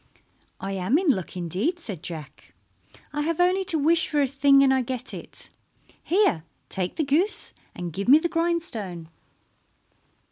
"I am in luck indeed," said Jack. "I have only to wish for a thing and I get it. Here, take the goose, and give me the grindstone."